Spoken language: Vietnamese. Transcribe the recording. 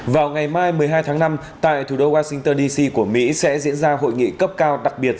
vào ngày mai một mươi hai tháng năm tại thủ đô washington dc của mỹ sẽ diễn ra hội nghị cấp cao đặc biệt